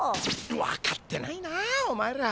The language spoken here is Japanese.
分かってないなお前ら。